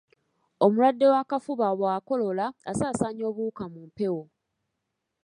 Omulwadde w’akafuba bw’akolola, asaasaanya obuwuka mu mpewo.